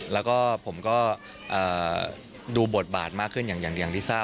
แล้วก็ผมก็ดูบทบาทมากขึ้นอย่างที่ทราบ